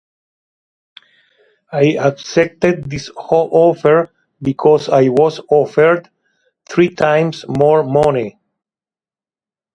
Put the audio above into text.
I accepted his offer because I was offered three times more money.